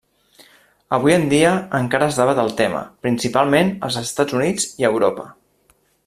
Avui en dia encara es debat el tema, principalment als Estats Units i a Europa.